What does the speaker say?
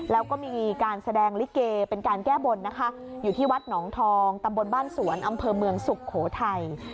แล้วก็มีการแสดงลิเกเป็นการแก้บนนะคะอยู่ที่วัดหนองทองตำบลบ้านสวนอำเภอเมืองสุโขทัย